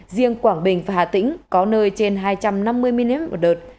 riêng quảng bình và hà tĩnh có nơi trên hai trăm năm mươi mm một đợt